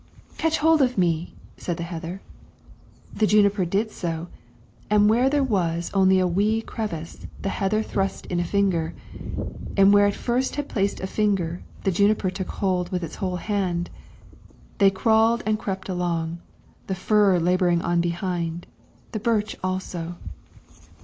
"Catch hold of me," said the heather. The juniper did so, and where there was only a wee crevice, the heather thrust in a finger, and where it first had placed a finger, the juniper took hold with its whole hand. They crawled and crept along, the fir laboring on behind, the birch also.